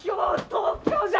東京じゃ！